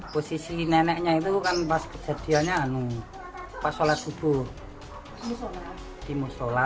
posisi neneknya itu kan pas kejadiannya pas sholat subuh di musola